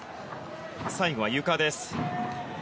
最後はゆかです。